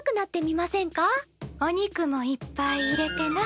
お肉もいっぱい入れてな。